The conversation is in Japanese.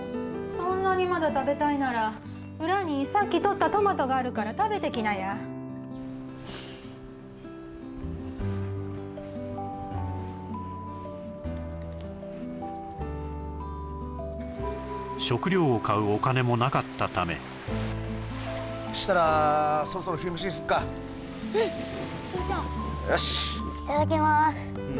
そんなにまだ食べたいなら裏にさっきとったトマトがあるから食べてきなやしたらそろそろ昼飯にすっかうん父ちゃんよしいただきます